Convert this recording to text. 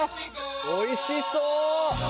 おいしそう！